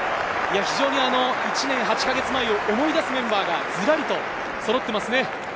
１年８か月前を思い出すメンバーがずらりとそろっていますね。